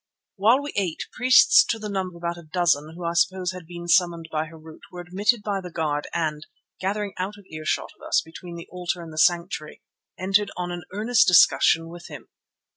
While we ate, priests to the number of about a dozen, who I suppose had been summoned by Harût, were admitted by the guard and, gathering out of earshot of us between the altar and the sanctuary, entered on an earnest discussion with him.